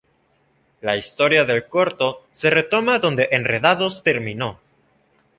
La historia del corto se retoma donde "Enredados" terminó.